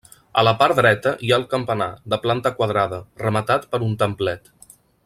A la part dreta hi ha el campanar, de planta quadrada, rematat per un templet.